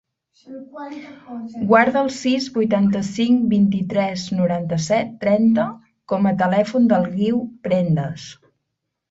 Guarda el sis, vuitanta-cinc, vint-i-tres, noranta-set, trenta com a telèfon del Guiu Prendes.